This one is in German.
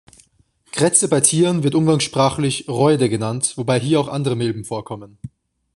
Krätze bei Tieren wird umgangssprachlich "Räude" genannt, wobei hier auch andere Milben vorkommen.